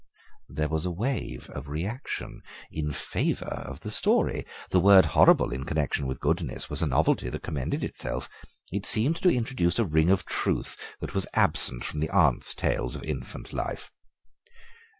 There was a wave of reaction in favour of the story; the word horrible in connection with goodness was a novelty that commended itself. It seemed to introduce a ring of truth that was absent from the aunt's tales of infant life.